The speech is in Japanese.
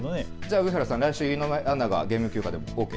上原さん、来週井上アナがゲーム休暇でもＯＫ？